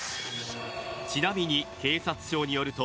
ちなみに警察庁によると